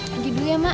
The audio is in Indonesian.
pergi dulu ya mak